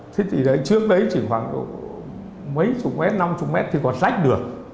thế thì đấy trước đấy chỉ khoảng mấy chục mét năm chục mét thì còn lách được